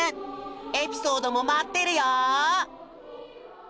エピソードも待ってるよ。